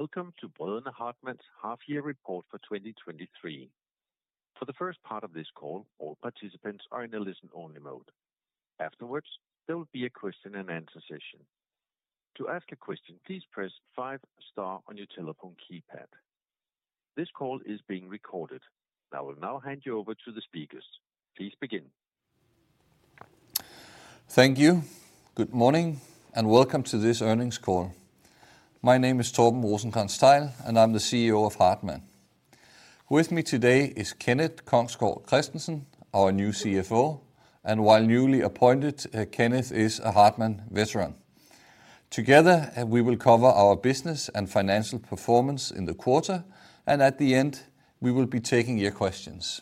Welcome to Brødrene Hartmann's half-year report for 2023. For the first part of this call, all participants are in a listen-only mode. Afterwards, there will be a question-and-answer session. To ask a question, please press five star on your telephone keypad. This call is being recorded. I will now hand you over to the speakers. Please begin. Thank you. Good morning, welcome to this earnings call. My name is Torben Rosenkrantz-Theil, I'm the CEO of Hartmann. With me today is Kenneth Kongsgaard Kristensen, our new CFO, while newly appointed, Kenneth is a Hartmann veteran. Together, we will cover our business and financial performance in the quarter, at the end, we will be taking your questions.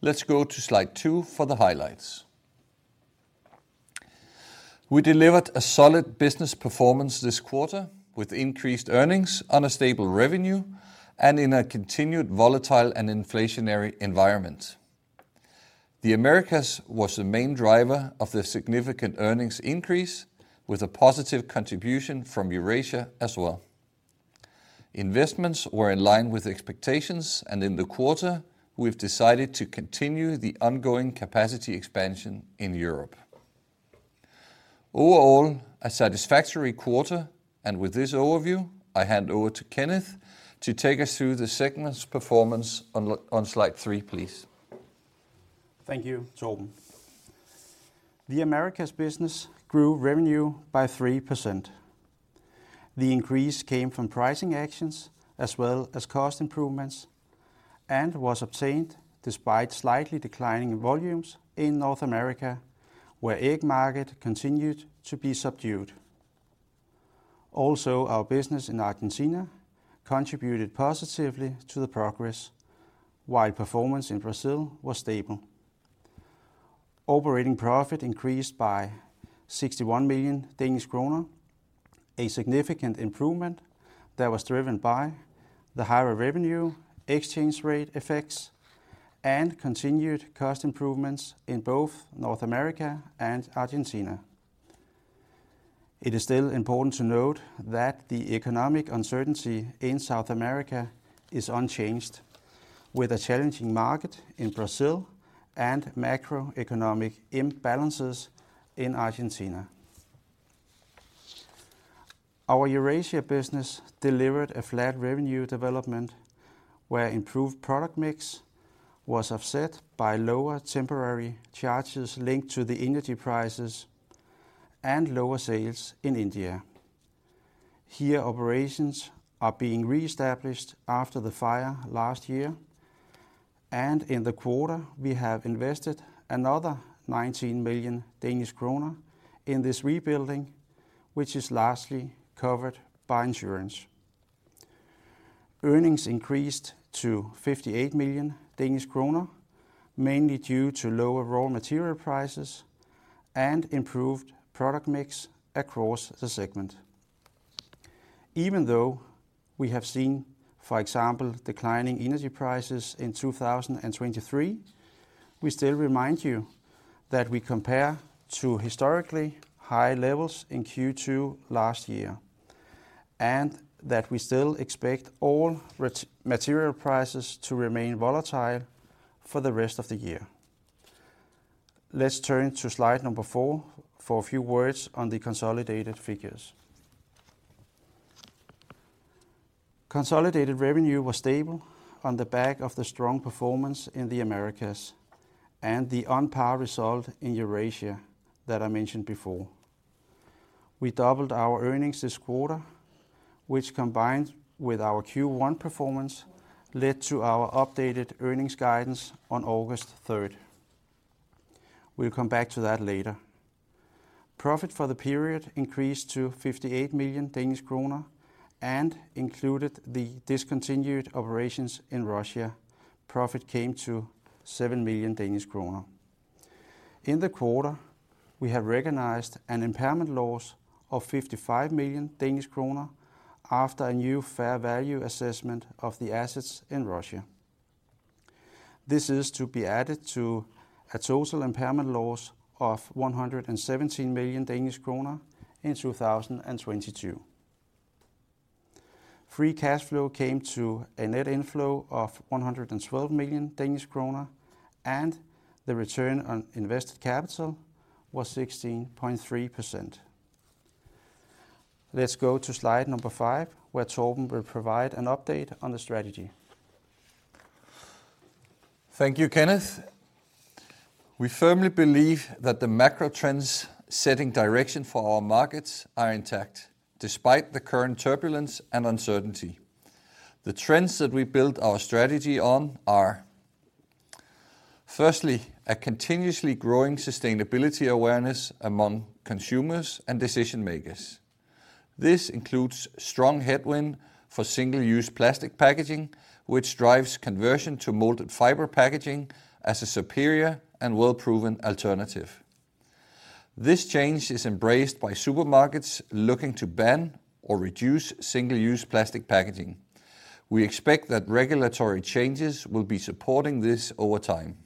Let's go to slide two for the highlights. We delivered a solid business performance this quarter, with increased earnings on a stable revenue in a continued volatile and inflationary environment. The Americas was the main driver of the significant earnings increase, with a positive contribution from Eurasia as well. Investments were in line with expectations, in the quarter, we've decided to continue the ongoing capacity expansion in Europe. Overall, a satisfactory quarter, and with this overview, I hand over to Kenneth to take us through the segment's performance on on slide three, please. Thank you, Torben. The Americas business grew revenue by 3%. The increase came from pricing actions as well as cost improvements and was obtained despite slightly declining volumes in North America, where egg market continued to be subdued. Our business in Argentina contributed positively to the progress, while performance in Brazil was stable. Operating profit increased by 61 million Danish kroner, a significant improvement that was driven by the higher revenue, exchange rate effects, and continued cost improvements in both North America and Argentina. It is still important to note that the economic uncertainty in South America is unchanged, with a challenging market in Brazil and macroeconomic imbalances in Argentina. Our Eurasia business delivered a flat revenue development, where improved product mix was offset by lower temporary charges linked to the energy prices and lower sales in India. Here, operations are being reestablished after the fire last year. In the quarter, we have invested another 19 million Danish kroner in this rebuilding, which is largely covered by insurance. Earnings increased to 58 million Danish kroner, mainly due to lower raw material prices and improved product mix across the segment. Even though we have seen, for example, declining energy prices in 2023, we still remind you that we compare to historically high levels in Q2 last year. We still expect all raw material prices to remain volatile for the rest of the year. Let's turn to slide number four for a few words on the consolidated figures. Consolidated revenue was stable on the back of the strong performance in the Americas and the on-par result in Eurasia that I mentioned before. We doubled our earnings this quarter, which, combined with our Q1 performance, led to our updated earnings guidance on August 3rd. We'll come back to that later. Profit for the period increased to 58 million Danish kroner and included the discontinued operations in Russia. Profit came to 7 million Danish kroner. In the quarter, we have recognized an impairment loss of 55 million Danish kroner after a new fair value assessment of the assets in Russia. This is to be added to a total impairment loss of 117 million Danish kroner in 2022. Free cash flow came to a net inflow of 112 million Danish kroner, and the return on invested capital was 16.3%. Let's go to slide number five, where Torben will provide an update on the strategy. Thank you, Kenneth. We firmly believe that the macro trends setting direction for our markets are intact, despite the current turbulence and uncertainty. The trends that we built our strategy on are, firstly, a continuously growing sustainability awareness among consumers and decision makers. This includes strong headwind for single-use plastic packaging, which drives conversion to molded fiber packaging as a superior and well-proven alternative. This change is embraced by supermarkets looking to ban or reduce single-use plastic packaging. We expect that regulatory changes will be supporting this over time.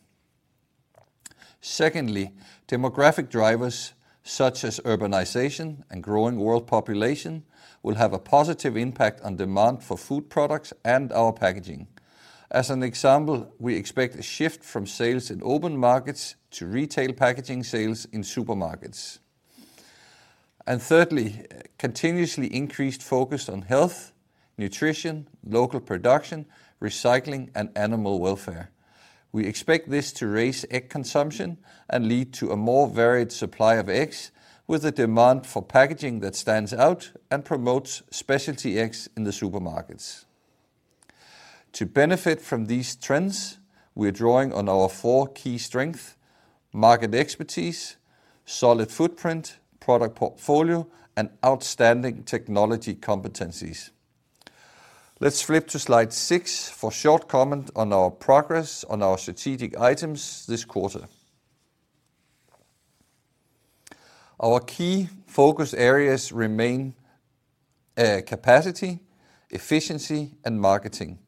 Secondly, demographic drivers such as urbanization and growing world population will have a positive impact on demand for food products and our packaging. As an example, we expect a shift from sales in open markets to retail packaging sales in supermarkets. Thirdly, continuously increased focus on health, nutrition, local production, recycling, and animal welfare. We expect this to raise egg consumption and lead to a more varied supply of eggs, with a demand for packaging that stands out and promotes specialty eggs in the supermarkets. To benefit from these trends, we are drawing on our four key strength: market expertise, solid footprint, product portfolio, and outstanding technology competencies. Let's flip to slide six for short comment on our progress on our strategic items this quarter. Our key focus areas remain capacity, efficiency, and marketing.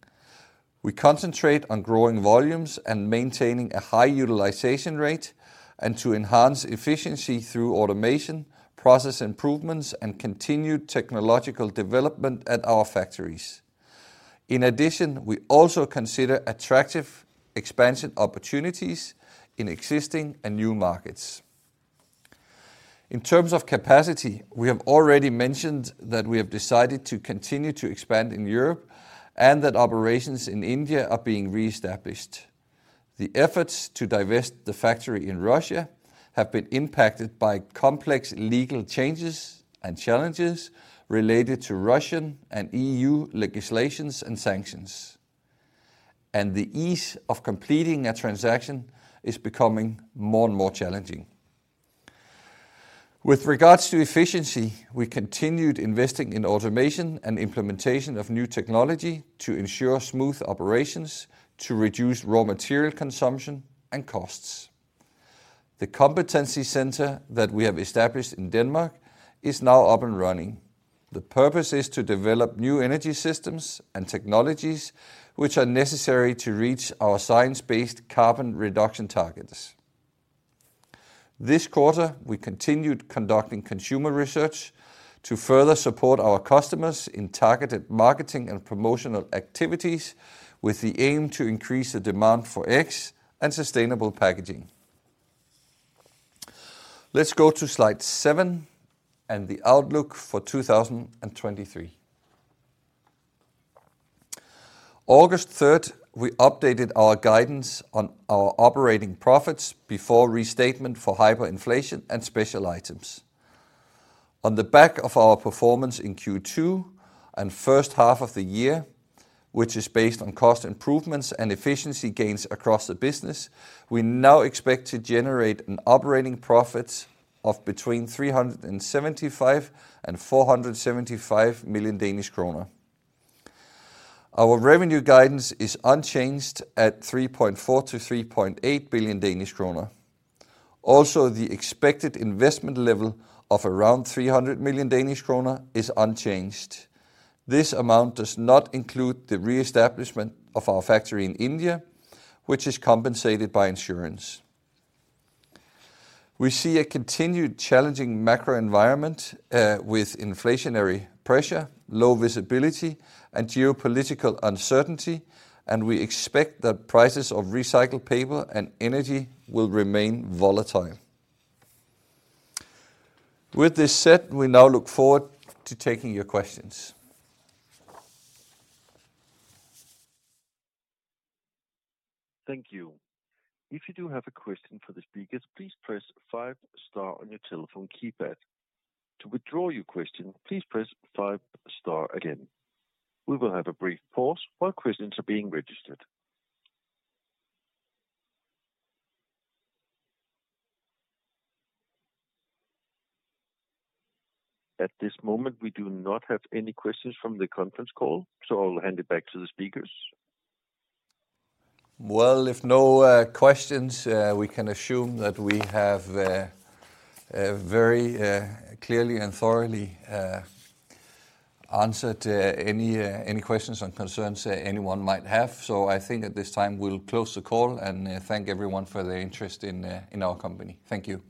We concentrate on growing volumes and maintaining a high utilization rate, and to enhance efficiency through automation, process improvements, and continued technological development at our factories. In addition, we also consider attractive expansion opportunities in existing and new markets. In terms of capacity, we have already mentioned that we have decided to continue to expand in Europe and that operations in India are being reestablished. The efforts to divest the factory in Russia have been impacted by complex legal changes and challenges related to Russian and EU legislations and sanctions. The ease of completing a transaction is becoming more and more challenging. With regards to efficiency, we continued investing in automation and implementation of new technology to ensure smooth operations to reduce raw material consumption and costs. The competency center that we have established in Denmark is now up and running. The purpose is to develop new energy systems and technologies, which are necessary to reach our science-based carbon reduction targets. This quarter, we continued conducting consumer research to further support our customers in targeted marketing and promotional activities, with the aim to increase the demand for eggs and sustainable packaging. Let's go to slide seven and the outlook for 2023. August 3rd, we updated our guidance on our operating profits before restatement for hyperinflation and special items. On the back of our performance in Q2 and first half of the year, which is based on cost improvements and efficiency gains across the business, we now expect to generate an operating profit of between 375 million and 475 million Danish kroner. Our revenue guidance is unchanged at 3.4 billion-3.8 billion Danish kroner. Also, the expected investment level of around 300 million Danish kroner is unchanged. This amount does not include the reestablishment of our factory in India, which is compensated by insurance. We see a continued challenging macro environment, with inflationary pressure, low visibility, and geopolitical uncertainty, and we expect that prices of recycled paper and energy will remain volatile. With this said, we now look forward to taking your questions. Thank you. If you do have a question for the speakers, please press five star on your telephone keypad. To withdraw your question, please press five star again. We will have a brief pause while questions are being registered. At this moment, we do not have any questions from the conference call, I'll hand it back to the speakers. Well, if no questions, we can assume that we have a very clearly and thoroughly answered any any questions and concerns anyone might have. I think at this time we'll close the call and thank everyone for their interest in in our company. Thank you.